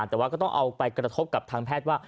แถวนี้ก็ต้องกระทบทางการแพทย์ว่า